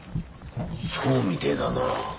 そうみてえだな。